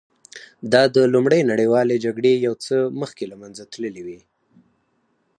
دا د لومړۍ نړیوالې جګړې یو څه مخکې له منځه تللې وې